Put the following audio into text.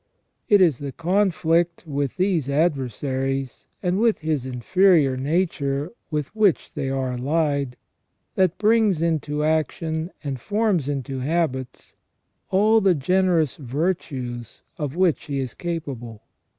It is the conflict with these adversaries, and with his inferior nature with which they are allied, that brings into action and forms into habits all the generous virtues of which he is capable.